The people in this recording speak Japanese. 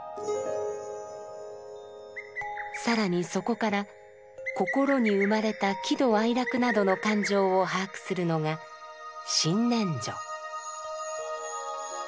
更にそこから心に生まれた喜怒哀楽などの感情を把握するのが「心念処」。